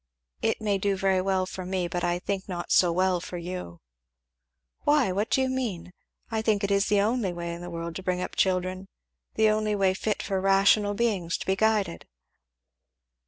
"It may do very well for me, but I think not so well for you." "Why? what do you mean? I think it is the only way in the world to bring up children the only way fit for rational beings to be guided."